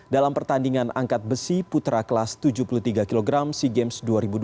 dalam pertandingan angkat besi putra kelas tujuh puluh tiga kg sea games dua ribu dua puluh